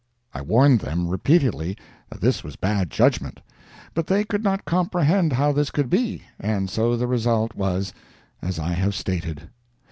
I warned them repeatedly that this was bad judgment, but they could not comprehend how this could be, and so the result was as I have stated.